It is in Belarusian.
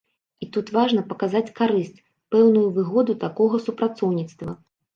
І тут важна паказаць карысць, пэўную выгоду такога супрацоўніцтва.